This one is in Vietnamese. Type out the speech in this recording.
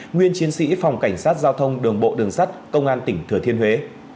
nguyên chiến sĩ phòng cảnh sát giao thông đường bộ đường sắt công an tỉnh thừa thiên huế